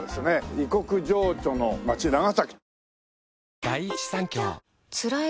異国情緒の町長崎。